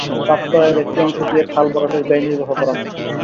প্রাপ্ত আয়ের একটি অংশ দিয়ে খাল ভরাটের ব্যয় নির্বাহ করা হয়।